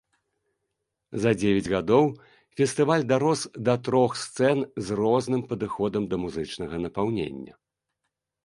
За дзевяць гадоў фестываль дарос да трох сцэн з розным падыходам да музычнага напаўнення.